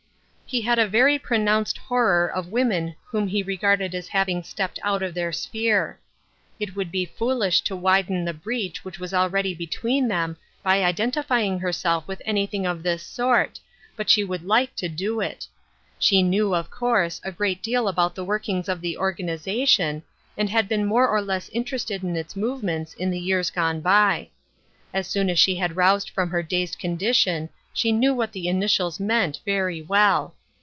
He had a very pronounced horror of women whom he regarded as having stepped out of their sphere. It would be foolish to widen the breach which was already between them, by identifying herself with anything of this sort, but she would like to do it. She knew, of course, a great deal about the workings of the organization, and had been more or less interested in its movements in the years gone by. As soon as she had roused from her dazed condition she knew what the ini tials meant, very well.